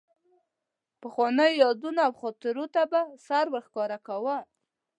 پخوانیو یادونو او خاطرو ته به سر ورښکاره کاوه.